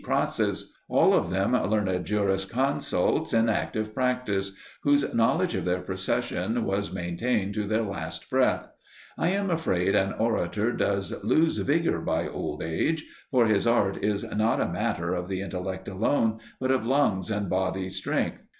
Crassus all of them learned juris consults in active practice, whose knowledge of their profession was maintained to their last breath. I am afraid an orator does lose vigour by old age, for his art is not a matter of the intellect alone, but of lungs and bodily strength.